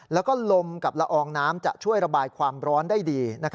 แล้วก็ลมกับละอองน้ำจะช่วยระบายความร้อนได้ดี